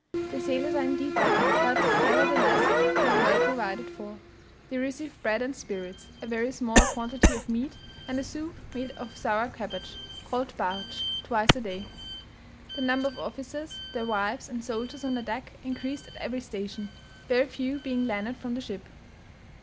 The sailors are indeed better, but, nevertheless, not well provided for; they receive bread and spirits, a very small quantity of meat, and a soup made of sour cabbage, called bartsch, twice a day. The number of officers, their wives, and soldiers on the deck, increased at every station, very few being landed from the ship.